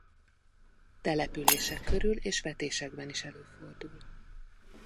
Települések körül és vetésekben is előfordul.